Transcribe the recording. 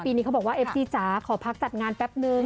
นี้เขาบอกว่าเอฟซีจ๋าขอพักจัดงานแป๊บนึง